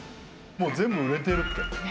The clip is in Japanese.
もう全部売れてるって。